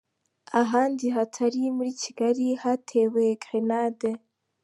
Ahandi hatari muri Kigali hatewe grenade